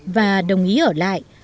và đồng ý ở lại